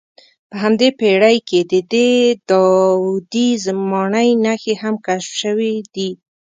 په همدې پېړۍ کې د دې داودي ماڼۍ نښې هم کشف شوې دي.